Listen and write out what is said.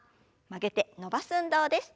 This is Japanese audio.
曲げて伸ばす運動です。